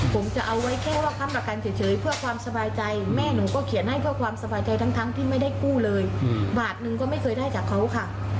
ผมจะเอาไว้แค่ว่าค้ำประกันเฉยเพื่อความสบายใจแม่หนูก็เขียนให้เพื่อความสบายใจทั้งที่ไม่ได้กู้เลยบาทหนึ่งก็ไม่เคยได้จากเขาค่ะ